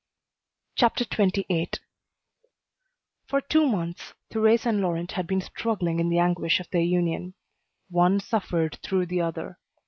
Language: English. CHAPTER XXVIII For two months, Thérèse and Laurent had been struggling in the anguish of their union. One suffered through the other.